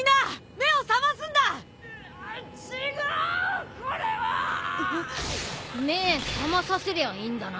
目覚まさせりゃいいんだな？